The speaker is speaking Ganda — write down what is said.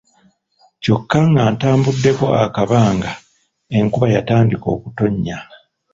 Kyokka ng'atambuddeko akabanga enkuba yatandika okutonnya.